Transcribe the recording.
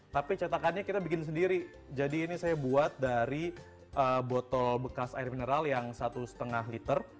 tapi cetakannya kita bikin sendiri jadi ini saya buat dari botol bekas air mineral yang satu lima liter